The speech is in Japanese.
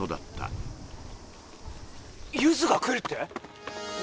おおゆずが来るってよ。